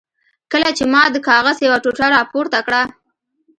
کله چې ما د کاغذ یوه ټوټه را پورته کړه.